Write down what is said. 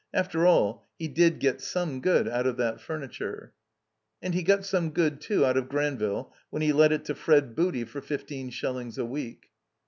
After all, he did get some good out of that furniture. And he got some good, too, out of Granville when he let it to Fred Booty for fifteen shillings a week.